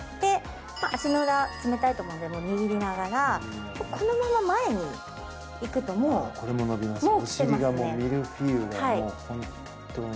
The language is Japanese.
足の裏、冷たいと思うので握りながらこのまま前に行くと、もう。